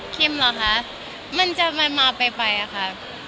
คิมเหรอคะมันจะมาไปค่ะ